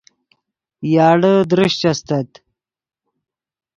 یاڑے درشچ استت